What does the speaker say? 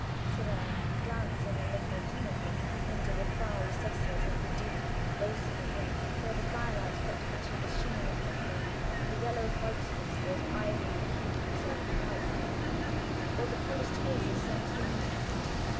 said I, glancing a little timidly into the far recesses of the deep, ghostly room, where the fire light kept catching the sheen of metal, the yellow whiteness of ivory keys or pipes, or the polished case of some stringed instrument.